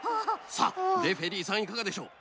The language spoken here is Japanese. さあレフェリーさんいかがでしょう？